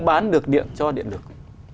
bán được điện cho điện lực